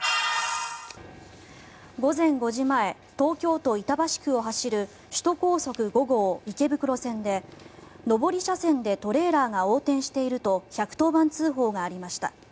午前５時前東京都板橋区を走る首都高速５号池袋線で上り車線でトレーラーが横転していると１１０番通報がありました。